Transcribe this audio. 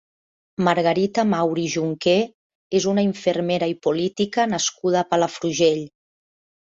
Margarita Mauri Junqué és una infermera i política nascuda a Palafrugell.